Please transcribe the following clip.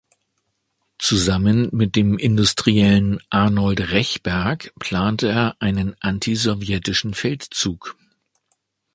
Zusammen mit dem Industriellen Arnold Rechberg plante er einen antisowjetischen Feldzug.